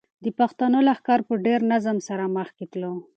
د پښتنو لښکر په ډېر نظم سره مخکې تلو.